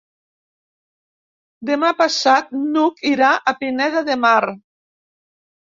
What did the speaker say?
Demà passat n'Hug irà a Pineda de Mar.